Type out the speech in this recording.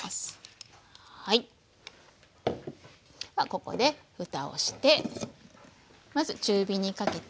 ではここでふたをしてまず中火にかけて。